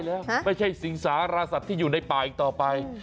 แล้วไม่ใช่สิงสารสัตว์ที่อยู่ในป่าอีกต่อไป